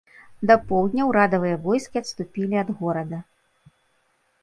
Да поўдня ўрадавыя войскі адступілі ад горада.